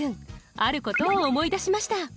あることを思い出しました